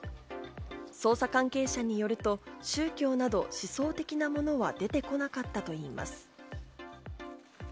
捜査関係者によると、宗教などを思想的なものは出てこなかったといいます。